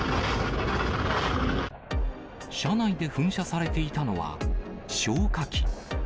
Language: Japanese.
車内で噴射されていたのは、消火器。